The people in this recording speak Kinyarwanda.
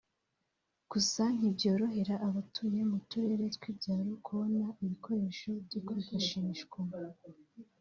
Gusa ntibyorohera abatuye mu turere tw’ibyaro kubona ibikoresho byakwifashishwa